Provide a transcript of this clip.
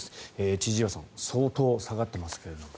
千々岩さん相当下がってますけれど。